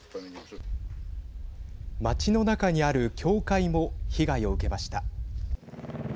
街の中にある教会も被害を受けました。